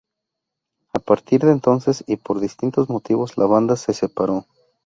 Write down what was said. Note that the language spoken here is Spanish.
A partir de entonces y por distintos motivos la banda se separó.